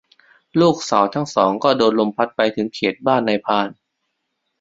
ลูกสาวทั้งสองก็โดนลมพัดไปถึงเขตบ้านนายพราน